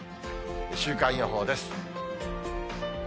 週間予報です。